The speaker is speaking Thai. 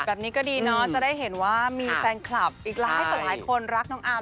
แบบนี้ก็ดีเนาะจะได้เห็นว่ามีแฟนคลับอีกหลายต่อหลายคนรักน้องอาร์ม